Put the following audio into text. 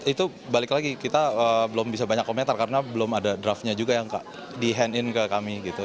itu balik lagi kita belum bisa banyak komentar karena belum ada draftnya juga yang di hand in ke kami gitu